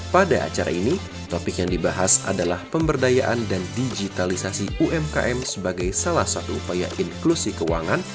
pada acara ini topik yang dibahas adalah pemberdayaan dan digitalisasi umkm sebagai salah satu upaya inklusi keuangan